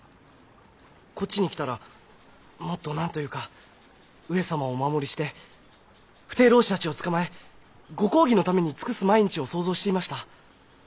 こっちに来たらもっと何というか上様をお守りして不逞浪士たちを捕まえご公儀のために尽くす毎日を想像していました。